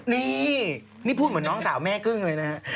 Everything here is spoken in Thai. นี่นี่พูดเหมือนน้องสาวแม่กึ้งเลยนะฮะ